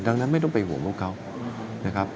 ดังนั้นไม่ต้องไปห่วงพวกเขานะครับ